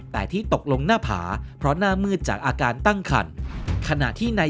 แต่ที่ตกลงหน้าผาเพราะหน้ามืดจากอาการตั้งคันขณะที่ใน